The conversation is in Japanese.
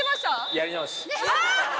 やり直し。